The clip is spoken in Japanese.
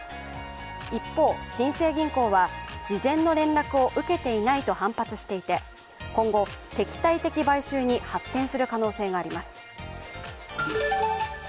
一方、新生銀行は事前の連絡を受けていないと反発していて今後、敵対的買収に発展する可能性があります。